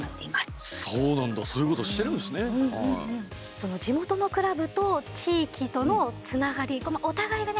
その地元のクラブと地域とのつながりがお互いがね